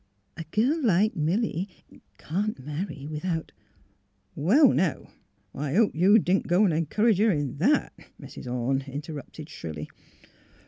— A girl like Milly can't marry without "*' Well, now, I hope you didn't go an' encourage her in that," Mrs. Orne interrupted, shrilly.